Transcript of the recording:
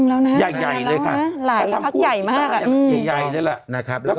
แล้วนะใหญ่ใหญ่เลยค่ะหลายพักใหญ่มากอ่ะใหญ่นี่แหละนะครับแล้วก็